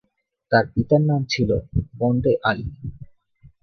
তার পিতার নাম ছিল বন্দে আলী।